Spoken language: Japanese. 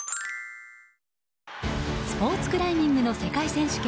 スポーツクライミングの世界選手権。